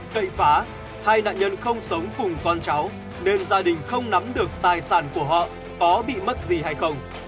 cậy phá hai nạn nhân không sống cùng con cháu nên gia đình không nắm được tài sản của họ có bị mất gì hay không